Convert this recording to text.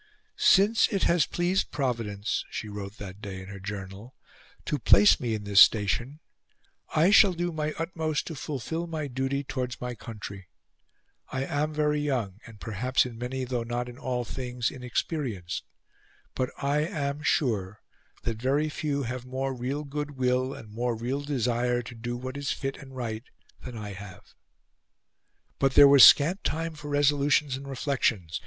"Since it has pleased Providence," she wrote that day in her journal, "to place me in this station, I shall do my utmost to fulfil my duty towards my country; I am very young, and perhaps in many, though not in all things, inexperienced, but I am sure, that very few have more real good will and more real desire to do what is fit and right than I have." But there was scant time for resolutions and reflections.